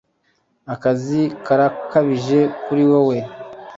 akazi karakabije kuri wewe